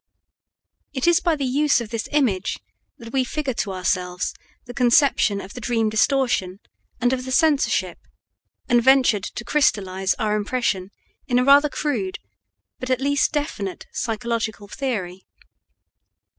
It is by the use of this image that we figure to ourselves the conception of the dream distortion and of the censorship, and ventured to crystallize our impression in a rather crude, but at least definite, psychological theory.